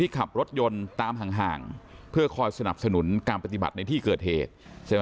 ขับรถยนต์ตามห่างเพื่อคอยสนับสนุนการปฏิบัติในที่เกิดเหตุใช่ไหม